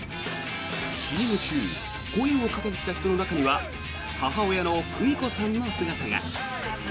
ＣＭ中声をかけてきた人の中には母親の久美子さんの姿が。